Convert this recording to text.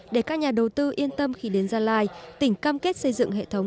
để các nhà đầu tư yên tâm khi đến gia lai tỉnh cam kết xây dựng hệ thống